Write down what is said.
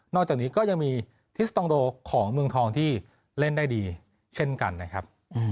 อกจากนี้ก็ยังมีทิสตองโดของเมืองทองที่เล่นได้ดีเช่นกันนะครับ